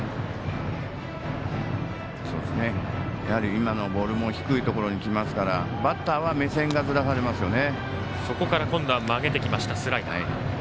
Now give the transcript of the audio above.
今のボールも低いところに来ますからバッターは目線がずらされますよね。